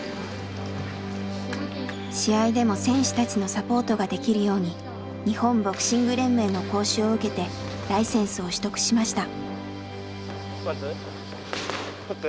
試合でも選手たちのサポートができるように日本ボクシング連盟の講習を受けてライセンスを取得しました。